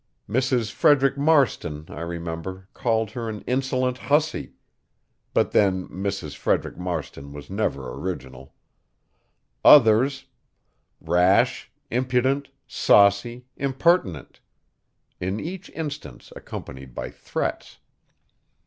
Mrs. Frederick Marston, I remember, called her an insolent hussy; but then Mrs. Frederick Marston was never original. Others: rash, impudent, saucy, impertinent; in each instance accompanied by threats.